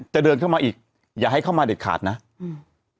เดินเข้ามาอีกอย่าให้เข้ามาเด็ดขาดนะอืม